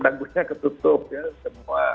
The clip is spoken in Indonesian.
danggunya ketutup ya semua